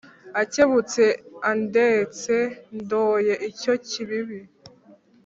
akebutse andetse ndoye icyo kibibi